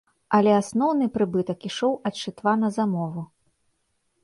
Але асноўны прыбытак ішоў ад шытва на замову.